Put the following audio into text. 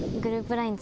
ＬＩＮＥ